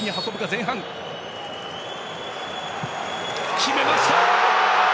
決めました！